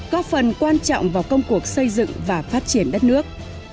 có phần quan trọng vào công cuộc xây dựng và phát triển đất nước